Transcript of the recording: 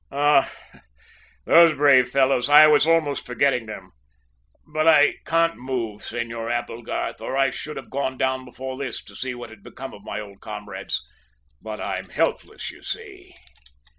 "Ah, those brave fellows, I was almost forgetting them; but I can't move, Senor Applegarth, or I should have gone down before this to see what had become of my old comrades; but I'm helpless, as you see."